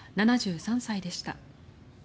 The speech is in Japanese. ７３歳でした。